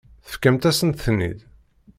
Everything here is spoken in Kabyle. Tefkamt-asent-ten-id.